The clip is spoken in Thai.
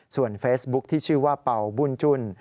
ส่วนเฟซบุ๊คที่ชื่อว่าเป่าบุญจุ้น